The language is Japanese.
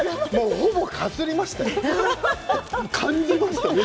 ほぼ、かすりましたよ。